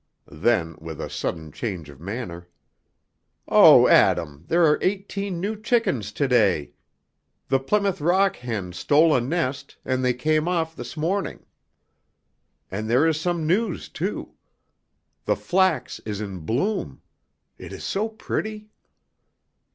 Then, with a sudden change of manner, "Oh, Adam, there are eighteen new chickens to day! The Plymouth Rock hen stole a nest, and they came off this morning. And there is some news too. The flax is in bloom. It is so pretty."